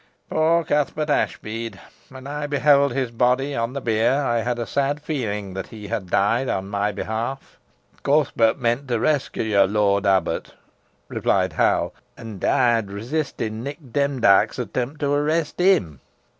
Poor Cuthbert Ashbead! when I beheld his body on the bier, I had a sad feeling that he had died in my behalf." "Cuthbert meant to rescue yo, lort abbut," replied Hal, "and deed resisting Nick Demdike's attempt to arrest him.